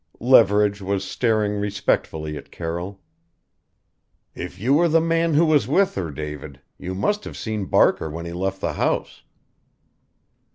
Leverage was staring respectfully at Carroll. "If you were the man who was with her, David you must have seen Barker when he left the house."